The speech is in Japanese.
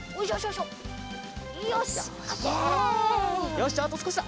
よしじゃああとすこしだ。